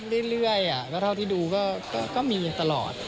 ก็มีครับเรื่อยแล้วเท่าที่ดูก็มีตลอด